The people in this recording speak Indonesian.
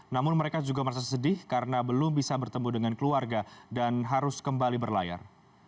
namun mereka juga merasa sedih karena belum bisa bertemu dengan keluarga dan harus kembali berlayar